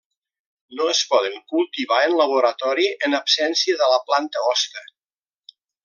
No es poden cultivar en laboratori en absència de la planta hoste.